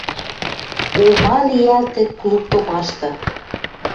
О ма лиӓлтӹ клуб томашты!